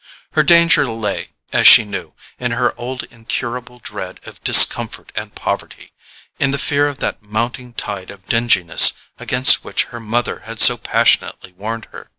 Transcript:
Her danger lay, as she knew, in her old incurable dread of discomfort and poverty; in the fear of that mounting tide of dinginess against which her mother had so passionately warned her.